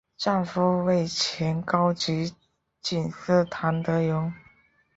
丈夫为前高级警司谭德荣。